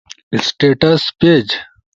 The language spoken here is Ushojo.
سٹیٹس پیج